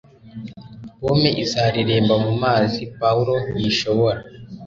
Pome izareremba mumazi, puwaro ntishobora.